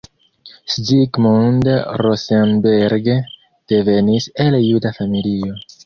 Zsigmond Rosenberg devenis el juda familio.